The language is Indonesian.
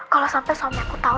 kalau sampai suami aku tahu